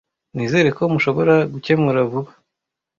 Nizere ko mushobora gukemura vuba.